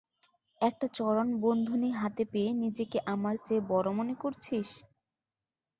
একটা চরণ-বন্ধনী হাতে পেয়ে নিজেকে আমার চেয়ে বড় মন করছিস?